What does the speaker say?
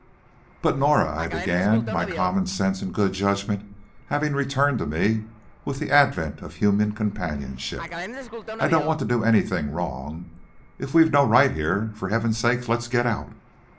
"But, Norah," I began, my common sense and good judgment having returned to me with the advent of human companionship, "I don't want to do anything wrong. If we've no right here, for Heaven's sake, let's get out!"